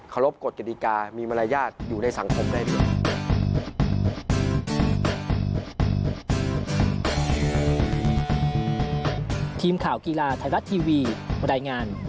รบกฎกฎิกามีมารยาทอยู่ในสังคมได้ด้วย